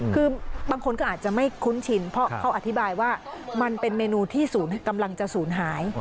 คือบางคนก็อาจจะไม่คุ้นชินเพราะเขาอธิบายว่ามันเป็นเมนูที่ศูนย์กำลังจะสูญหาย